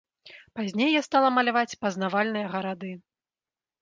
Пазней я стала маляваць пазнавальныя гарады.